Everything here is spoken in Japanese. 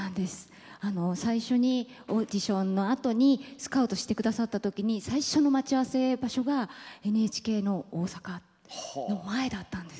最初にオーディションのあとにスカウトしてくださった時に最初の待ち合わせ場所がＮＨＫ大阪の前だったんです。